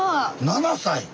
７歳⁉